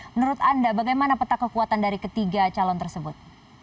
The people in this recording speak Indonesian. menurut anda bagaimana peta kekuatan dari ketiga calon tersebut